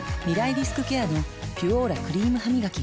リスクケアの「ピュオーラ」クリームハミガキ